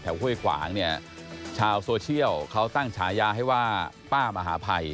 ห้วยขวางเนี่ยชาวโซเชียลเขาตั้งฉายาให้ว่าป้ามหาภัย